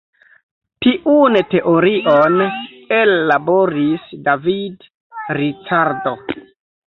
Tiun teorion ellaboris David Ricardo.